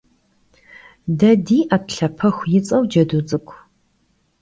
De di'et Lhapexu yi ts'eu cedu ts'ık'u.